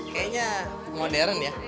kayaknya modern ya